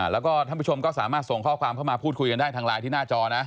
แล้วก็ท่านผู้ชมก็สามารถส่งข้อความเข้ามาพูดคุยกันได้ทางไลน์ที่หน้าจอนะ